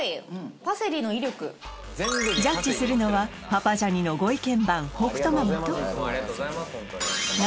パセリの威力ジャッジするのは「パパジャニ」のご意見